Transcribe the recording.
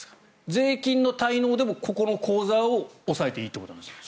税金の滞納でもここの口座を押さえていいってことなんですか？